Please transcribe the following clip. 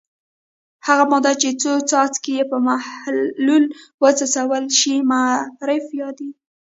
هغه ماده چې څو څاڅکي یې په محلول وڅڅول شي معرف یادیږي.